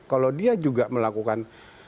kalau dia juga melakukan